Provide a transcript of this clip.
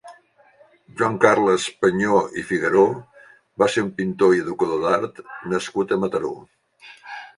Joan Carles Panyó i Figaró va ser un pintor i educador d'art nascut a Mataró.